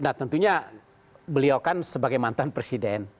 nah tentunya beliau kan sebagai mantan presiden